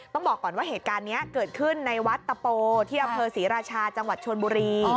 ต้องบอกก่อนว่าเหตุการณ์นี้เกิดขึ้นในวัดตะโปที่อำเภอศรีราชาจังหวัดชนบุรี